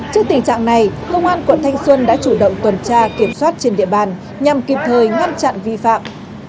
trước tình trạng này công an quận thanh xuân đã chủ động tuần tra kiểm soát trên địa bàn nhằm kịp thời ngăn chặn vi phạm